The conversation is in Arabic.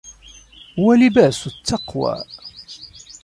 وَلِبَاسُ التَّقْوَى